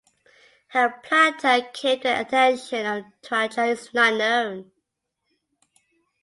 How Planta came to the attention of Trajan is not known.